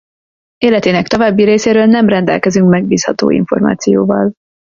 Életének további részéről nem rendelkezünk megbízható információval.